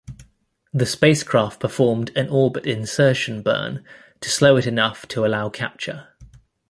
The spacecraft performed an orbit insertion burn to slow it enough to allow capture.